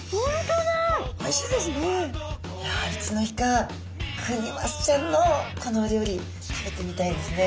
いやいつの日かクニマスちゃんのこのお料理食べてみたいですね。